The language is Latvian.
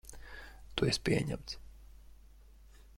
Tu esi pieņemts.